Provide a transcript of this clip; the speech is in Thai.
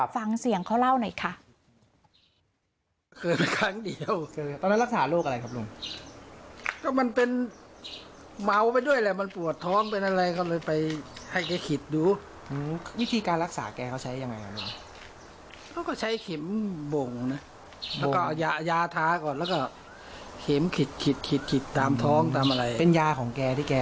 ฟังเสียงเขาเล่าหน่อยค่ะ